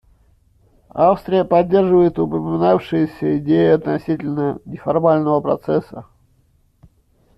Австрия поддерживает упоминавшиеся идеи относительно неформального процесса.